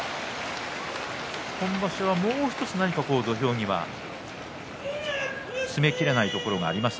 今場所は、もう１つ何か土俵際詰めきれないところがあります